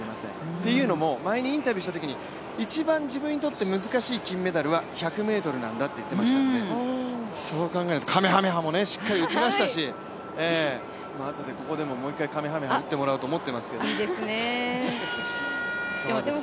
というのも、前にインタビューしたときに一番自分にとって難しい金メダルは１００ｍなんだと言っていましたのでそう考えると、かめはめ波もしっかり打ちましたし、あとでここでももう一回、かめはめ波打ってもらおうと思いますけれども。